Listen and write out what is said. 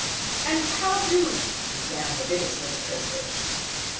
"And how do " began the Biggest Little Crayfish.